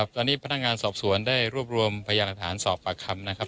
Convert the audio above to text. ตอนนี้พนักงานสอบสวนได้รวบรวมพยานหลักฐานสอบปากคำนะครับ